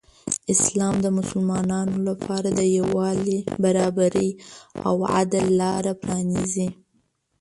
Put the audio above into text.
اسلام د مسلمانانو لپاره د یو والي، برابري او عدل لاره پرانیزي.